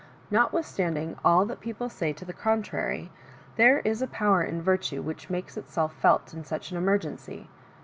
Not withstanding all that people say to the contrary, there is a power in virtue which makes itself felt in such an emergency.